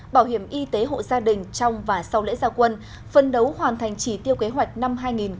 bảo hiểm y tế hộ gia đình trong và sau lễ gia quân phân đấu hoàn thành chỉ tiêu kế hoạch năm hai nghìn hai mươi